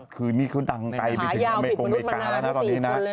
คือนี้เขาดังไกลไปถึงอเมริกาแล้วนะครับ